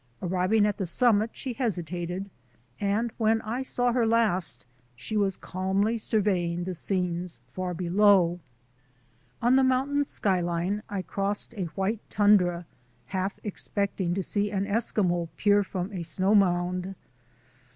Arriving at the summit she hesitated, and when I saw her last she was calmly surveying the scenes far below. On the mountain skyline I crossed a white tundra, half expecting to see an Eskimo peer from a snow mound.